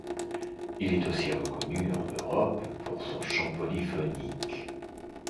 Il est aussi reconnu en Europe pour son chant polyphonique.